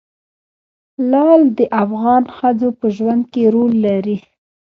لعل د افغان ښځو په ژوند کې رول لري.